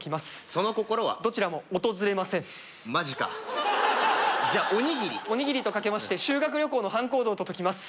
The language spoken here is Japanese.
その心はどちらもおとずれませんマジかじゃおにぎりおにぎりと掛けまして修学旅行の班行動と解きます